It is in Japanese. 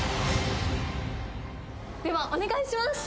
ではお願いします